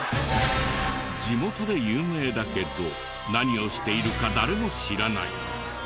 地元で有名だけど何をしているか誰も知らない。